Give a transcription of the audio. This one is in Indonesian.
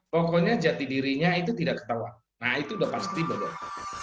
pokoknya jati dirinya itu tidak ketahuan nah itu sudah pasti bodong